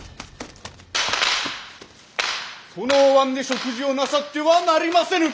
そのおわんで食事をなさってはなりませぬ！